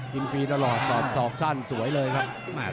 กินฟรีตลอดสอบสั้นสวยเลยครับ